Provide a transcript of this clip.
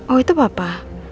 oh itu papa